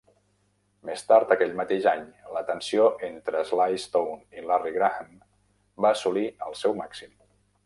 Més tard aquell mateix any, la tensió entre Sly Stone i Larry Graham va assolir el seu màxim.